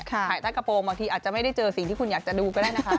ถ่ายใต้กระโปรงบางทีอาจจะไม่ได้เจอสิ่งที่คุณอยากจะดูก็ได้นะคะ